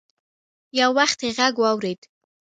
يو وخت يې غږ واورېد.